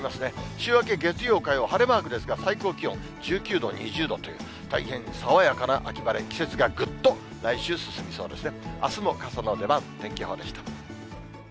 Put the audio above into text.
週明け月曜、火曜、晴れマークですが、最高気温１９度、２０度っていう、大変爽やかな秋晴れ、季節がぐっと来週、進みそうですね。